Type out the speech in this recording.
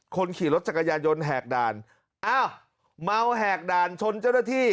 คนขี่รถจักรยานยนต์แหกด่านอ้าวเมาแหกด่านชนเจ้าหน้าที่